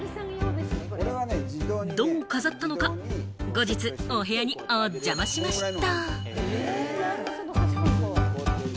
どう飾ったのか、後日、お部屋にお邪魔しました。